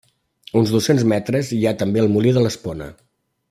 A uns dos-cents metres hi ha també el Molí de l'Espona.